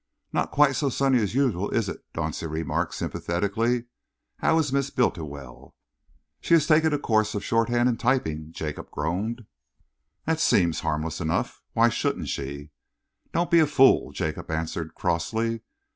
"Not quite so sunny as usual, is it?" Dauncey remarked sympathetically. "How is Miss Bultiwell?" "She is taking a course of shorthand and typing," Jacob groaned. "That seems harmless enough. Why shouldn't she?" "Don't be a fool," Jacob answered crossly.